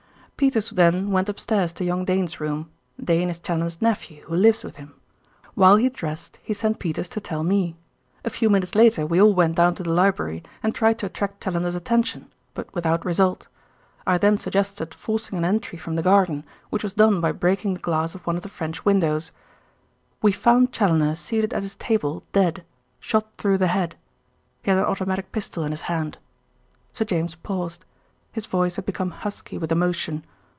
"Peters then went upstairs to young Dane's room; Dane is Challoner's nephew, who lives with him. While he dressed he sent Peters to tell me. "A few minutes later we all went down to the library and tried to attract Challoner's attention; but without result. I then suggested forcing an entry from the garden, which was done by breaking the glass of one of the French windows. "We found Challoner seated at his table dead, shot through the head. He had an automatic pistol in his hand." Sir James paused; his voice had become husky with emotion.